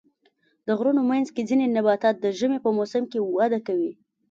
د غرونو منځ کې ځینې نباتات د ژمي په موسم کې وده کوي.